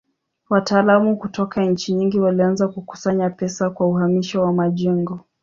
Wataalamu kutoka nchi nyingi walianza kukusanya pesa kwa uhamisho wa majengo.